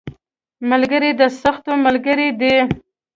ملګری د سختیو ملګری دی